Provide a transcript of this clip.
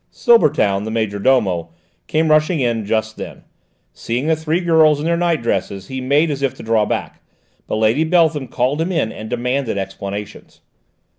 Silbertown, the major domo, came rushing in just then. Seeing the three girls in their night dresses he made as if to draw back, but Lady Beltham called him in and demanded explanations.